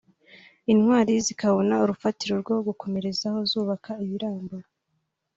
Intwari zikabona urufatiro rwo gukomerezaho zubaka ibiramba